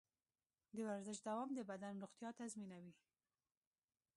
د ورزش دوام د بدن روغتیا تضمینوي.